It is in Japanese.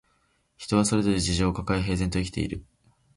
人はそれぞれ事情をかかえ、平然と生きている